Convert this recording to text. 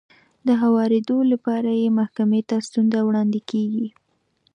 د هوارېدو لپاره يې محکمې ته ستونزه وړاندې کېږي.